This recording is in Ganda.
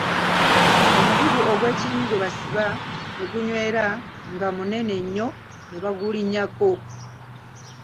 Omugugu ogwekinyi gwe basiba ne gunywera nga munene nnyo ne bagulinnyako.